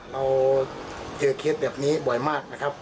เราเจอเคสแบบนี้บ่อยมากนะครับ